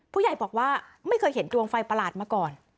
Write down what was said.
ผู้ใหญ่บอกว่าไม่เคยเห็นดวงไฟประหลาดมาก่อน